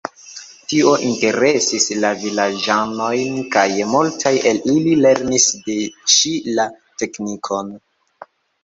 Tio interesis la vilaĝanojn, kaj multaj el ili lernis de ŝi la teknikon.